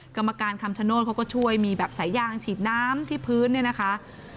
กรรมการคำชโนธเขาก็ช่วยมีแบบสายยางฉีดน้ำที่พื้นเนี่ยนะคะ